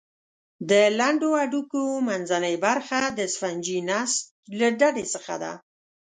د لنډو هډوکو منځنۍ برخه د سفنجي نسج له ډلې څخه ده.